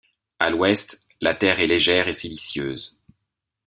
À l’ouest, la terre est légère et siliceuse.